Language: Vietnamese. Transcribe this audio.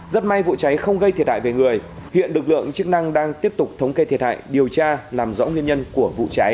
rất may vụ cháy không gây thiệt hại về người hiện lực lượng chức năng đang tiếp tục thống kê thiệt hại điều tra làm rõ nguyên nhân của vụ cháy